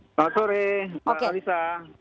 selamat sore pak alisa